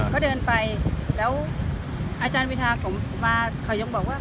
ก็เดินไปแล้วอาจารย์วิทาเขามาเขายังบอกว่า